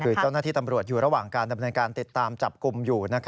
คือเจ้าหน้าที่ตำรวจอยู่ระหว่างการดำเนินการติดตามจับกลุ่มอยู่